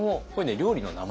料理の名前。